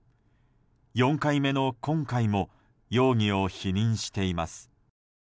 ４回目の今回も容疑を否認しています。